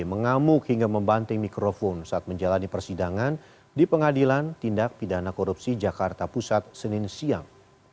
mengamuk hingga membanting mikrofon saat menjalani persidangan di pengadilan tindak pidana korupsi jakarta pusat senin siang